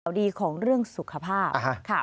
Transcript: เหล่าดีของเรื่องสุขภาพ